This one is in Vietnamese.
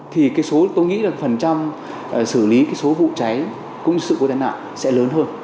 thì cái số tôi nghĩ là phần trăm xử lý cái số vụ cháy cũng như sự cố tai nạn sẽ lớn hơn